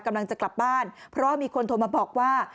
กำลังจะกลับบ้านเพราะมีคนโทรมาบอกว่า